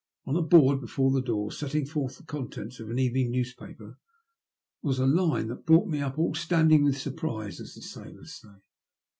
On a board before the door, setting forth the contents of an evening newspaper, was a line that brought me up all stand ing with surprise, as the sailors say.